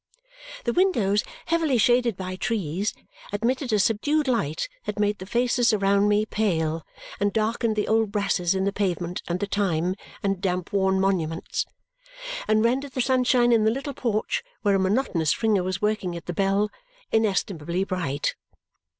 The windows, heavily shaded by trees, admitted a subdued light that made the faces around me pale, and darkened the old brasses in the pavement and the time and damp worn monuments, and rendered the sunshine in the little porch, where a monotonous ringer was working at the bell, inestimably bright.